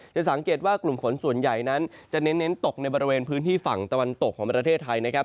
จะสังเกตว่ากลุ่มฝนส่วนใหญ่นั้นจะเน้นตกในบริเวณพื้นที่ฝั่งตะวันตกของประเทศไทยนะครับ